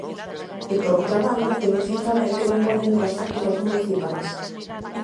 E por outra banda, denuncian tamén que non poden ver as facturas municipais.